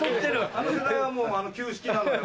あの世代は旧式なのよ。